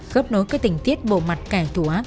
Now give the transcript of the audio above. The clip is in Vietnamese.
khớp nối các tình tiết bộ mặt kẻ thù á